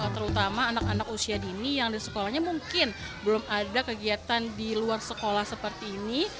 terutama anak anak usia dini yang di sekolahnya mungkin belum ada kegiatan di luar sekolah seperti ini